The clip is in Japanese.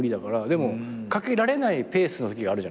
でも掛けられないペースのときある。